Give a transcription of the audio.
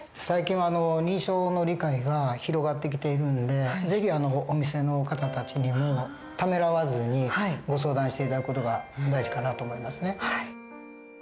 最近は認知症の理解が広がってきているんで是非お店の方たちにもためらわずにご相談して頂く事が大事かなと思いますね。